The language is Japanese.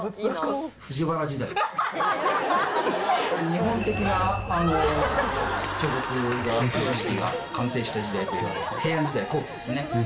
日本的な彫刻が型式が完成した時代というのが平安時代後期ですね。